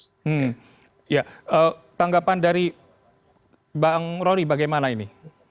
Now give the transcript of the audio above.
hmm ya tanggapan dari bang rory bagaimana ini